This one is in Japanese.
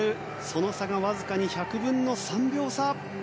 その差がわずかに１００分の３秒差。